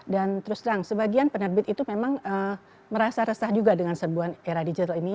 dan terus terang sebagian penerbit itu memang merasa resah juga dengan sebuah era digital ini